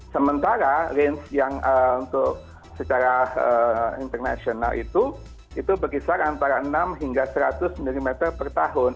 sementara range yang untuk secara internasional itu itu berkisar antara enam hingga seratus mm per tahun